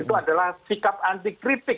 itu adalah sikap anti kritik